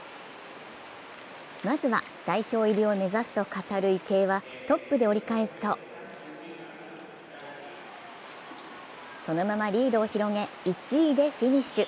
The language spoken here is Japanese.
まずは代表入りを目指すと語る池江はトップで折り返すと、そのままリードを広げ、１位でフィニッシュ。